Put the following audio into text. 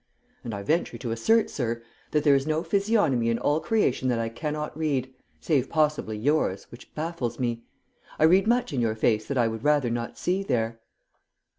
"And I venture to assert, sir, that there is no physiognomy in all creation that I cannot read, save possibly yours which baffles me. I read much in your face that I would rather not see there."